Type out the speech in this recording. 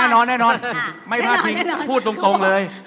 แน่นอนพูดตรงเลย